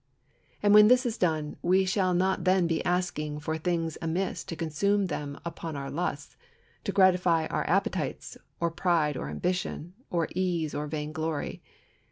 And when this is done we shall not then be asking for things amiss to consume them upon our lusts, to gratify our appetites, or pride, or ambition, or ease, or vain glory.